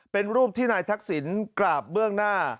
เป็นรูปที่นายทักษิณกราบเบื้องหน้า